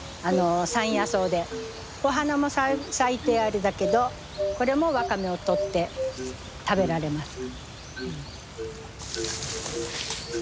山野草でお花も咲いてあれだけどこれも若芽を取って食べられます。